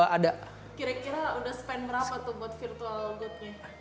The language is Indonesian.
kira kira udah spend berapa tuh buat virtual goodnya